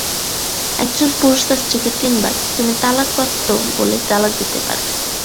একজন পুরুষ তার স্ত্রীকে তিনবার "তুমি তালাকপ্রাপ্ত" বলে তালাক দিতে পারো।